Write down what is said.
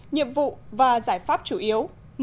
nhiệm vụ và giải pháp chủ yếu